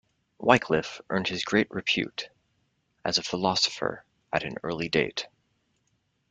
Wycliffe earned his great repute as a philosopher at an early date.